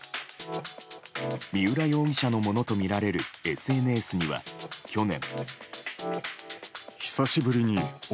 三浦容疑者のものとみられるＳＮＳには去年。